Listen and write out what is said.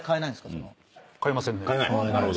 変えませんね。